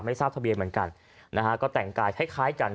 ไม่ทราบทะเบียนเหมือนกันนะฮะก็แต่งกายคล้ายคล้ายกัน